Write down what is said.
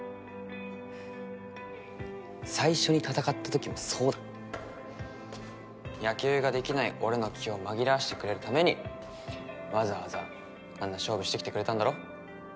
最初に戦ったときもそうだ野球ができない俺の気を紛らわしてくれるためにわざわざあんな勝負してきてくれたんだろ？